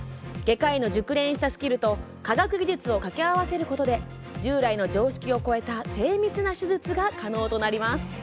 外科医の熟練したスキルと科学技術を掛け合わせることで従来の常識を超えた精密な手術が可能となります。